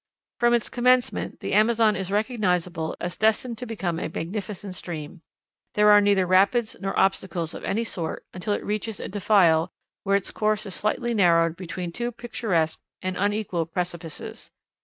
From its commencement the Amazon is recognizable as destined to become a magnificent stream. There are neither rapids nor obstacles of any sort until it reaches a defile where its course is slightly narrowed between two picturesque and unequal precipices.